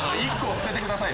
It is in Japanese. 捨ててください。